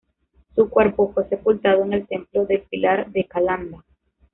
Su cuerpo fue sepultado en el templo del Pilar de Calanda.